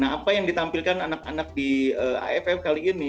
nah apa yang ditampilkan anak anak di aff kali ini